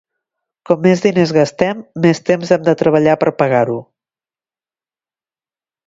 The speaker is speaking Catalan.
Com més diners gastem, més temps hem de treballar per pagar-ho.